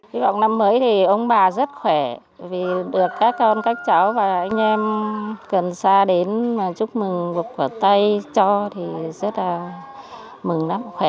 hy vọng năm mới thì ông bà rất khỏe vì được các con các cháu và anh em cần xa đến và chúc mừng gục quả tay cho thì rất là mừng lắm khỏe